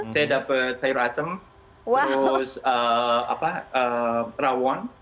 saya dapat sayur asem terus rawon